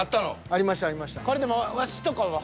ありましたありました。